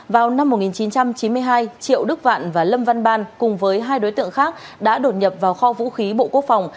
vào năm một nghìn chín trăm chín mươi hai triệu đức vạn và lâm văn ban cùng với hai đối tượng khác đã đột nhập vào kho vũ khí bộ quốc phòng